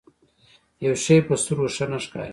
يو شی په سترګو ښه نه ښکاري.